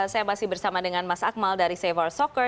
saya masih bersama dengan mas akmal dari savor soccer